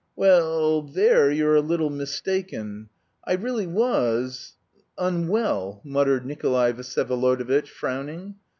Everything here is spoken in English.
"Well, there you're a little mistaken. I really was... unwell..." muttered Nikolay Vsyevolodovitch, frowning.